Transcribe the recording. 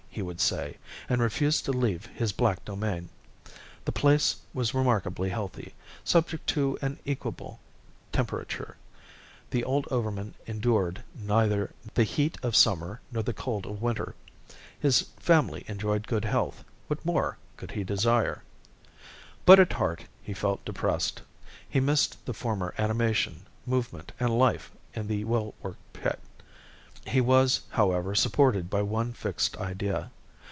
he would say, and refused to leave his black domain. The place was remarkably healthy, subject to an equable temperature; the old overman endured neither the heat of summer nor the cold of winter. His family enjoyed good health; what more could he desire? But at heart he felt depressed. He missed the former animation, movement, and life in the well worked pit. He was, however, supported by one fixed idea.